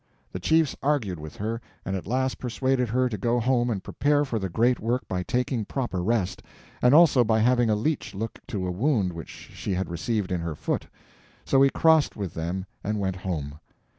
The chiefs argued with her, and at last persuaded her to go home and prepare for the great work by taking proper rest, and also by having a leech look to a wound which she had received in her foot. So we crossed with them and went home.